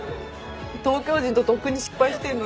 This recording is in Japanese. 東京人ととっくに失敗してんのに。